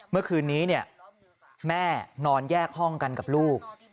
เมื่อคืนนี้แม่นอนแยกห้องกันกับลูก